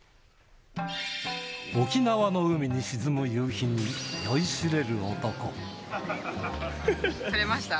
沖縄の海に沈む夕日に、撮れました？